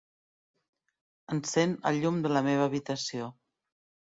Encén el llum de la meva habitació.